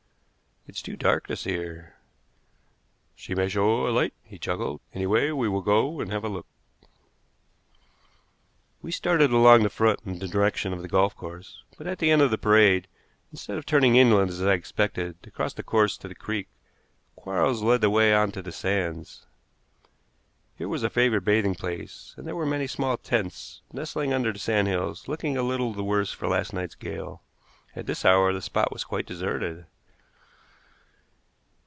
"It's too dark to see her." "She may show a light," he chuckled. "Anyway, we will go and have a look." We started along the front in the direction of the golf course, but at the end of the parade, instead of turning inland as I expected, to cross the course to the creek, Quarles led the way on to the sands. Here was a favorite bathing place, and there were many small tents nestling under the sandhills, looking a little the worse for last night's gale. At this hour the spot was quite deserted.